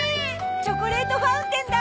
チョコレートファウンテンだ！